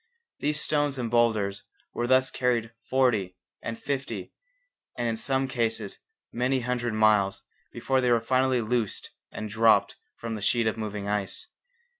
These stones and boulders were thus carried forty and fifty, and in some cases many hundred miles before they were finally loosed and dropped from the sheet of moving ice.